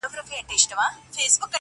تفریح د خوشحالۍ سرچینه ده